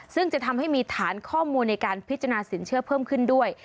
ซึ่งจะทำให้มีฐานข้อมูลในการพิจารณาสินเชื่อเพิ่มขึ้นด้วย